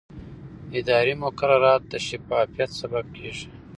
اداري مقررات د شفافیت سبب کېږي.